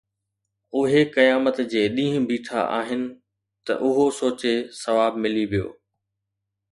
اهي قيامت جي ڏينهن بيٺا آهن، ته اهو سوچي ثواب ملي ويو